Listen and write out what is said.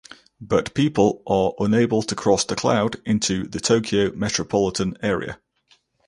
But people are unable to cross "the cloud" into the Tokyo metropolitan area.